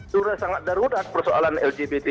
sudah sangat darurat persoalan lgbt